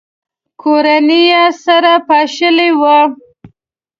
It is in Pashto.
کورنۍ یې سره پاشلې وه.